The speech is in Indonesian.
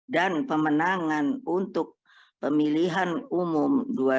dan pemenangan untuk pemilihan umum dua ribu dua puluh empat